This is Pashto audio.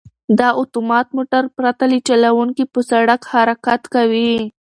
دا اتومات موټر پرته له چلوونکي په سړک حرکت کوي.